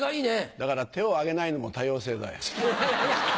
だから手を挙げないのも多様性だよ。